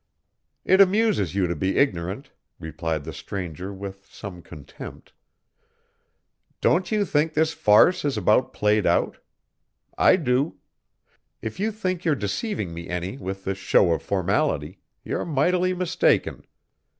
"It amuses you to be ignorant," replied the stranger, with some contempt. "Don't you think this farce is about played out? I do. If you think you're deceiving me any with this show of formality, you're mightily mistaken.